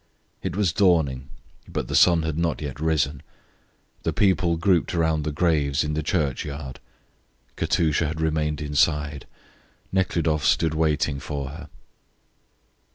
It was dawning, but the sun had not yet risen. The people grouped round the graves in the churchyard. Katusha had remained inside. Nekhludoff stood waiting for her.